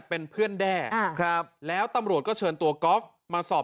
ก็จะเหินเชิญตัวกอล์ฟมาสอบ